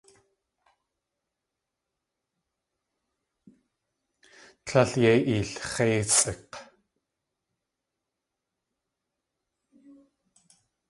Líl yéi eelx̲éisʼik̲!